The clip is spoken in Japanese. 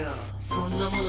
そんなもの